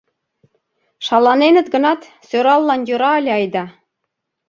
Шаланеныт гынат, сӧраллан йӧра ыле айда.